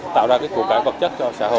tạo ra cuộc cải vật